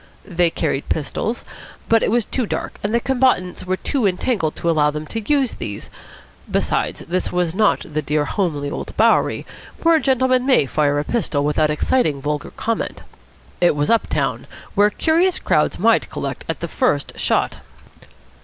They carried pistols, but it was too dark and the combatants were too entangled to allow them to use these. Besides, this was not the dear, homely old Bowery, where a gentleman may fire a pistol without exciting vulgar comment. It was up town, where curious crowds might collect at the first shot.